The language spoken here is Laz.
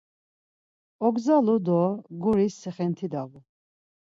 Ogzalu do guris sixinti davu.